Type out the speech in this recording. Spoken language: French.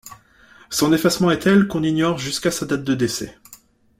Son effacement est tel qu'on ignore jusqu'à sa date de décès.